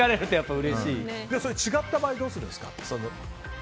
違った場合どうするんですか？